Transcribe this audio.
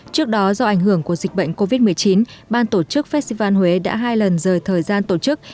trước đó do ảnh hưởng của dịch bệnh covid một mươi chín ban tổ chức festival huế đã hai lần rời thời gian tổ chức